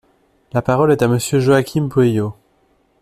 La parole est à Monsieur Joaquim Pueyo.